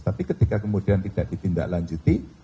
tapi ketika kemudian tidak ditindaklanjuti